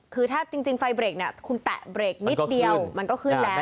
คือถ้าจริงไฟเบรกเนี่ยคุณแตะเบรกนิดเดียวมันก็ขึ้นแล้ว